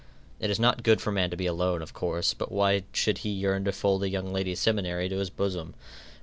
It is not good for man to be alone, of course, but why should he yearn to fold a young ladies' seminary to his bosom?